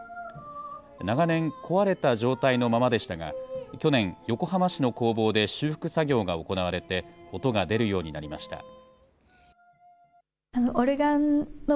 長年壊れた状態のままでしたが、去年、横浜市の工房で修復作業が行われて、音が出るようになりました。